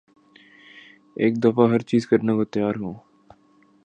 ایک دفعہ ہر چیز کرنے کو تیار ہوں